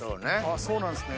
そうなんですね。